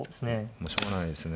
もうしょうがないですね。